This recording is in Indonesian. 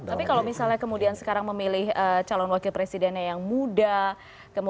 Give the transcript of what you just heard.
tapi kalau misalnya kemudian sekarang memilih calon wakil presidennya yang muda